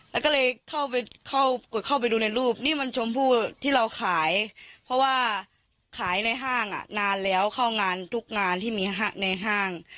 แล้วก็เลยเข้าไปดูในรูปนี่มันชมพู่ที่เราขายเพราะว่าขายในห้างอ่ะนานแล้วเข้างานทุกงานที่มีในห้าง